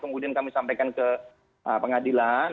kemudian kami sampaikan ke pengadilan